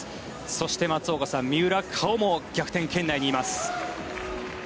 そして松岡さん、三浦佳生も逆転圏内にいます。